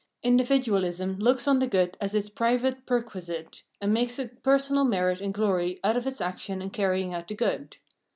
In dividualism looks on the good as its private perquisite, and makes a personal merit and glory out of its action in carrying out the good.